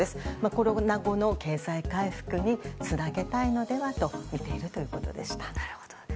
コロナ後の経済回復につなげたいのではとみているということでした。